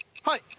はい。